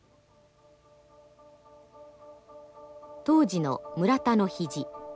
当時の村田の肘。